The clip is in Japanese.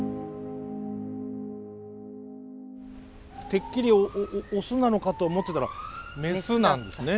てっきりオスなのかと思ってたらメスなんですね。